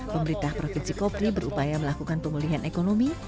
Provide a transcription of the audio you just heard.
pemerintah provinsi kopri berupaya melakukan pemulihan ekonomi